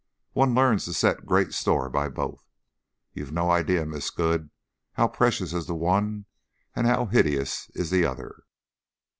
One learns to set great store by both. You've no idea, Miss Good, how precious is the one and how hideous is the other."